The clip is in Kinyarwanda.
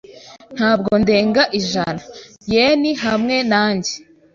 Ntabwo ndenga ijana yen hamwe nanjye.